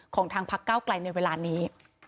ของทางพักก้าวกลัยในเวลานี้